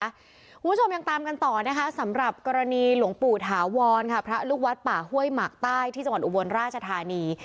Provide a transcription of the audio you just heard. คุณผู้ชมยังตามกันต่อนะคะสำหรับกรณีหลวงปู่ถาวรค่ะพระลูกวัดป่าห้วยหมากใต้ที่จังหวัดอุบลราชธานี